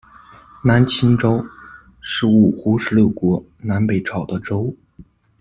南秦州，是五胡十六国、南北朝的州。